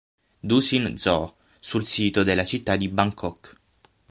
Dusit Zoo sul sito della città di Bangkok.